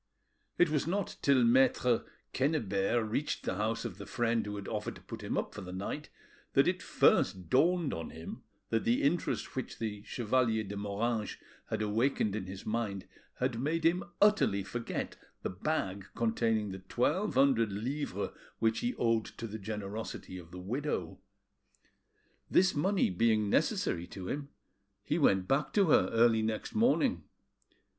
It was not till Maitre Quennebert reached the house of the friend who had offered to put him up for the night that it first dawned on him, that the interest which the Chevalier de Moranges had awakened in his mind had made him utterly forget the bag containing the twelve hundred livres which he owed to the generosity of the widow. This money being necessary to him, he went back to her early next morning.